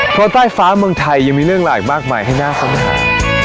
เพราะใต้ฟ้าเมืองไทยยังมีเรื่องหลายมากมายให้น่าค้นหา